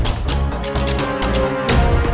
apaan tuh rame rame sih